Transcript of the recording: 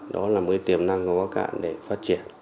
đó là một tiềm năng của bắc cạn để phát triển